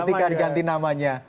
ketika diganti namanya